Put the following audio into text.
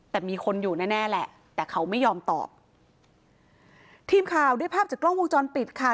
แต่มีคนอยู่แน่แน่แหละแต่เขาไม่ยอมตอบทีมข่าวได้ภาพจากกล้องวงจรปิดค่ะ